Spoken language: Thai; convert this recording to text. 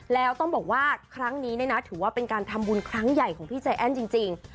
แล้วต้องบอกว่าครั้งนี้เนี่ยนะถือว่าเป็นการทำบุญครั้งใหญ่ของพี่ใจแอ้นจริง